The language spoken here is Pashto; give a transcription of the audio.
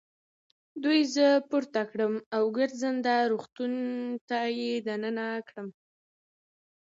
دوی زه پورته کړم او ګرځنده روغتون ته يې دننه کړم.